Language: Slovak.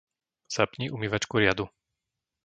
Zapni umývačku riadu.